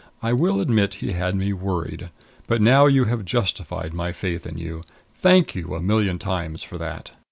I will admit he had me worried. But now you have justified my faith in you. Thank you a million times for that!